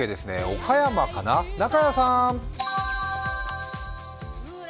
岡山かな、中屋さーん。